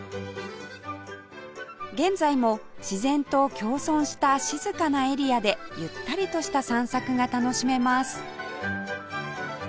現在も自然と共存した静かなエリアでゆったりとした散策が楽しめます